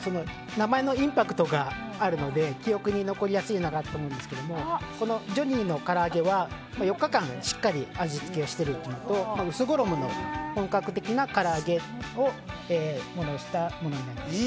名前のインパクトがあるので記憶に残りやすいんだと思うんですけどジョニーのからあげは、４日間しっかり味付けしているのと薄衣の本格的な唐揚げになります。